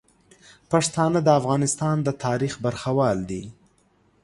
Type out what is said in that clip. پښتانه د افغانستان د تاریخ برخوال دي.